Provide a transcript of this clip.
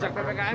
cak ppkm ya